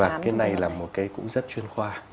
và cái này là một cái cũng rất chuyên khoa